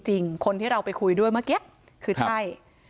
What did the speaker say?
จริงคนที่เราไปคุยด้วยเมื่อกี้คือใช่